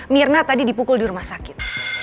mirna tadi dipukul di rumah sakit